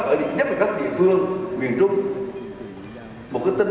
miền trung cần thể hiện khát vọng vươn lên mạnh mẽ quyết tâm